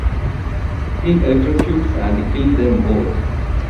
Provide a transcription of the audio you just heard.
He electrocutes and kills them both.